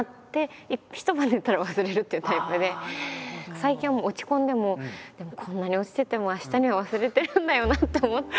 最近はもう落ち込んでもでもこんなに落ちてても明日には忘れてるんだよなと思って。